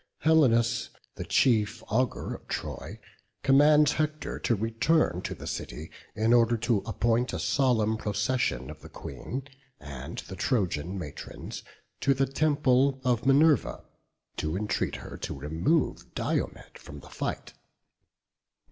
Helenus, the chief augur of Troy, commands Hector to return to the city, in order to appoint a solemn procession of the Queen and the Trojan matrons to the temple of Minerva, to entreat her to remove Diomed from the fight.